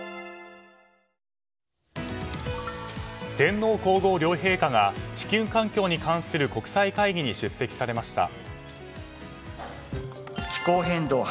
天皇・皇后両陛下が地球環境に関する国際会議に出席されました。